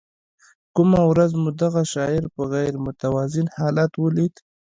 کومه ورځ مو دغه شاعر په غیر متوازن حالت ولید.